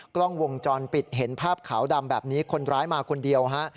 กล้องวงจรปิดเห็นภาพขาวดำแบบนี้คนร้ายมาคนเดียวฮะ